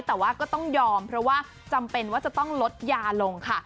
แต่ว่าก็ต้องยอมเพราะว่าจำเป็นว่าจะต้องลดยาลงค่ะ